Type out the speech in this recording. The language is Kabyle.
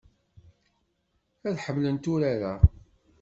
Ad ḥemmlent urar-a.